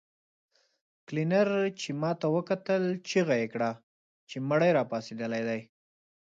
کلينر چې ماته وکتل چيغه يې کړه چې مړی راپاڅېدلی دی.